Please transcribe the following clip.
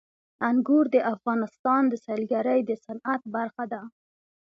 انګور د افغانستان د سیلګرۍ د صنعت برخه ده.